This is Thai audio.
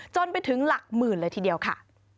จนไปถึงหลักหมื่นเลยทีเดียวค่ะ